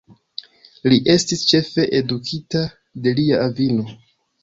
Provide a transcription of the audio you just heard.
Li estis ĉefe edukita de lia avino.